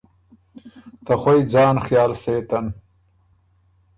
ته خوئ ځان خیال سېتن